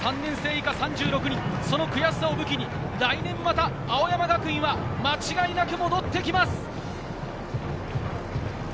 ３年生以下３６人、悔しさを武器に来年また、青山学院は間違いなく戻ってきます。